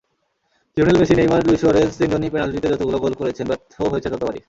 Lionel Messi, Neymar, Luis সুয়ারেজ—তিনজনই পেনাল্টিতে যতগুলো গোল করেছেন, ব্যর্থও হয়েছেন ততবারই।